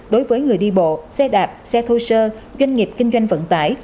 đối với người đi bộ xe đạp xe thô sơ doanh nghiệp kinh doanh vận tải